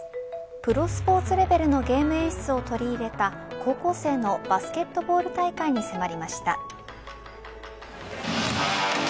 プロスポーツレベルのゲーム演出を取り入れた高校生のバスケットボール大会に迫りました。